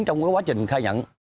trong quá trình khai nhận